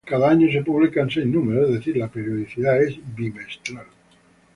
Cada año se publican seis números, es decir, la periodicidad es bimestral.